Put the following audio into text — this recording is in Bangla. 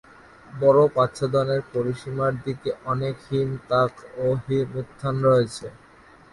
বরফ আচ্ছাদনের পরিসীমার দিকে অনেক হিম তাক ও হিম উত্থান রয়েছে।